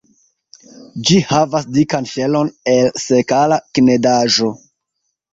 Ĝi havas dikan ŝelon el sekala knedaĵo.